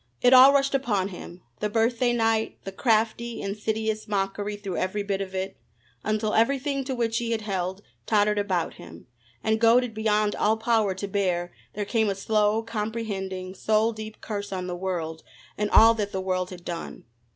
It all rushed upon him the birthday night the crafty, insidious mockery through every bit of it, until everything to which he had held tottered about him, and goaded beyond all power to bear there came a slow, comprehending, soul deep curse on the world and all that the world had done.